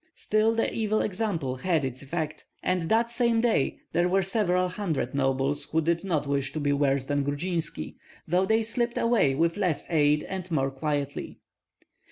Still the evil example had its effect; and that same day there were several hundred nobles who did not wish to be worse than Grudzinski, though they slipped away with less aid and more quietly.